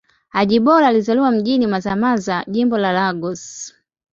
Ajibola alizaliwa mjini Mazamaza, Jimbo la Lagos.